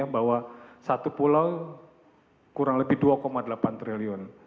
bahwa satu pulau kurang lebih dua delapan triliun